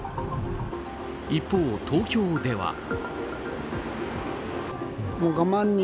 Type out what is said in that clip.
一方、東京では。